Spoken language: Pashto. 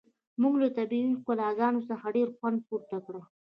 موږ له طبیعي ښکلاګانو څخه ډیر خوند پورته کړ